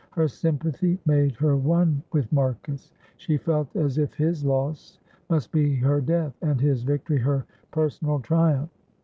Her sympathy made her one with Marcus; she felt as if his loss must be her death and his victory her personal triumph.